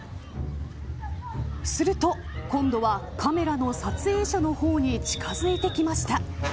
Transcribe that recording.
すると今度はカメラの撮影者の方に近づいてきました。